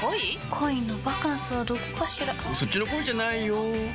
恋のバカンスはどこかしらそっちの恋じゃないよ